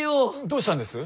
どうしたんです？